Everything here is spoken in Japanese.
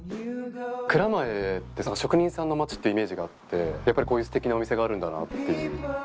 蔵前って職人さんの街っていうイメージがあってやっぱりこういうステキなお店があるんだなっていう。